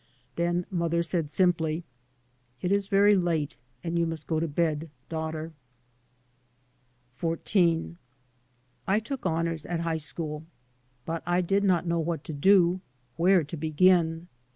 Then mother said simply, " It is very late and you must go to bed, daughter." [Ill] 3 by Google XIV, 1TO0K honours at high school. But I did not Icnow what to do, where to begin.